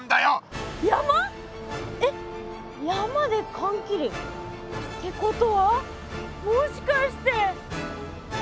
えっ山でかんきり。ってことはもしかして。